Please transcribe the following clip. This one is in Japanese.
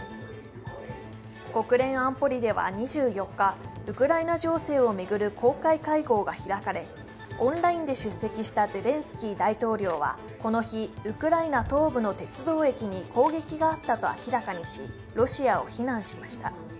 国連安保理では２４日、ウクライナ情勢を巡る公開会合が開かれオンラインで出席したゼレンスキー大統領はこの日、ウクライナ東部の鉄道駅に攻撃があったと明らかにしロシアを非難しました。